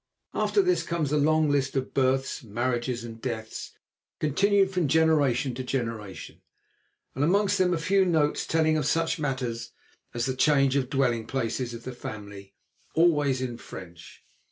After this comes a long list of births, marriages and deaths continued from generation to generation, and amongst them a few notes telling of such matters as the change of the dwelling places of the family, always in French.